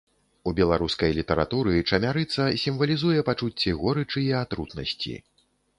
У беларускай літаратуры чамярыца сімвалізуе пачуцці горычы і атрутнасці.